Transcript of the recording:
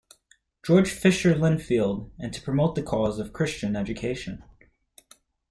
George Fisher Linfield, and to promote the cause of Christian education.